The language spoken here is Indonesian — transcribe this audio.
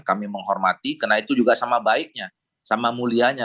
kami menghormati karena itu juga sama baiknya sama mulianya